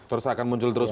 terus akan muncul terus ya